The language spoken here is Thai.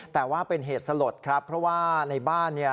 แต่ว่าเป็นเหตุสลดครับเพราะว่าในบ้านเนี่ย